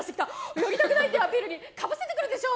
やりたくないってアピールにかぶせてくるでしょ！